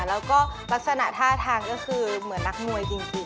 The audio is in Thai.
แล้วก็ลักษณะท่าทางก็คือเหมือนนักมวยจริง